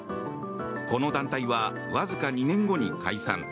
この団体はわずか２年後に解散。